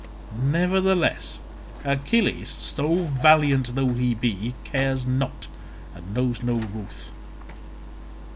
Nevertheless, Achilles, so valiant though he be, cares not and knows no ruth.